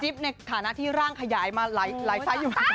จิ๊บในฐานะที่ร่างขยายมาหลายไซส์อยู่มาก่อน